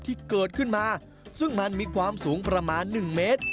ที่เกิดขึ้นมาซึ่งมันมีความสูงประมาณ๑เมตร